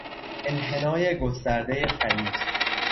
انحنای گستردهی خلیج